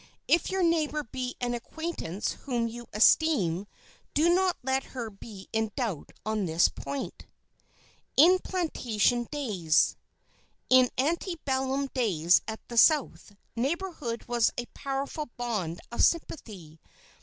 If your neighbor be an acquaintance whom you esteem, do not let her be in doubt on this point. [Sidenote: IN PLANTATION DAYS] In ante bellum days at the South, neighborhood was a powerful bond of sympathy.